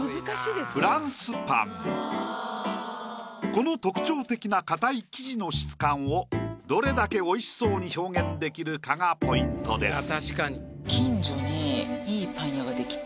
この特徴的な硬い生地の質感をどれだけ美味しそうに表現できるかがポイントです。